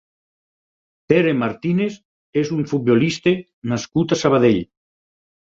Pere Martínez és un futbolista nascut a Sabadell.